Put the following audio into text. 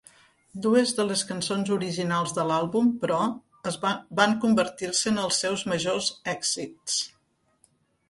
Dues de les cançons originals de l'àlbum, però, van convertir-se en els seus majors èxits.